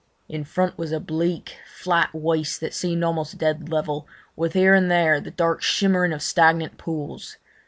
In front was a bleak, flat waste that seemed almost dead level, with here and there the dark shimmering of stagnant pools.